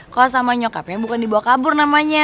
kalau sama nyokapnya bukan dibawa kabur namanya